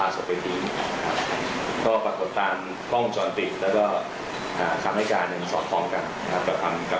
จุดที่ไปทิ้งอยู่ตรงตรงจุดอ่าเชิงสะพานลำเฮ้ยรับกลุ่มครับ